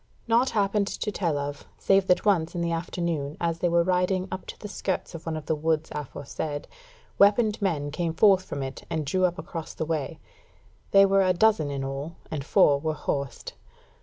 Naught happened to tell of, save that once in the afternoon, as they were riding up to the skirts of one of the woods aforesaid, weaponed men came forth from it and drew up across the way; they were a dozen in all, and four were horsed.